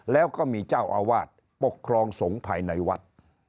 แล้วก็มีเจ้าอาวาสปกครองสงฆ์ภายในวัด